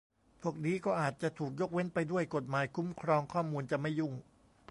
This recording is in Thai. พวกนี้ก็อาจจะถูกยกเว้นไปด้วย กฎหมายคุ้มครองข้อมูลจะไม่ยุ่ง